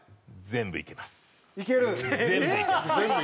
全部いけます。